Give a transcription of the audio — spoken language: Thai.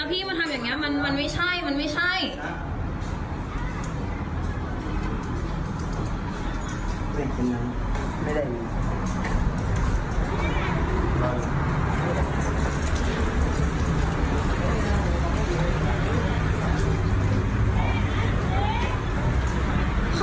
พี่มาทำอย่างนี้มันไม่ใช่มันไม่ใช่